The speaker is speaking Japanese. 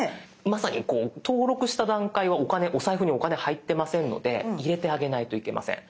まさに登録した段階はおサイフにお金入ってませんので入れてあげないといけません。